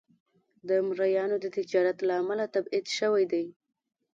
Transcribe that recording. د مریانو د تجارت له امله تبعید شوی دی.